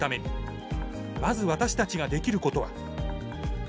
まず私たちができることは。